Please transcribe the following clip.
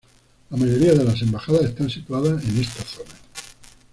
La mayoría de las embajadas están situadas en esta zona.